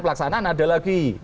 pelaksanaan ada lagi